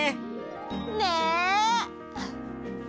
ねえ！